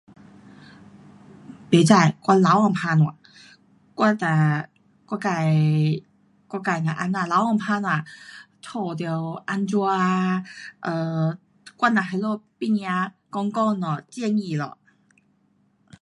不知，我老公打算。我哒，我自，我自就这样老公打算家得怎样 um 我只那里旁边讲讲了，建议了。